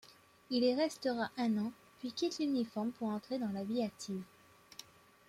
Il y restera un an, puis quitte l'uniforme pour entrer dans la vie active.